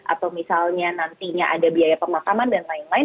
atau misalnya nantinya ada biaya pemakaman dan lain lain